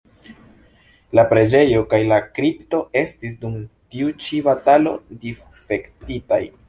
La preĝejo kaj la kripto estis dum tiu ĉi batalo difektitaj.